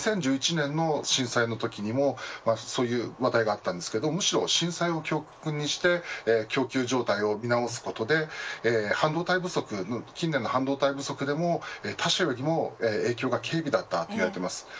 ２０１１年の震災のときにもそういう話題がありましたがむしろ震災を教訓にして供給状態を見直すことで近年の半導体不足でも他社よりも影響が軽微だったと言われています。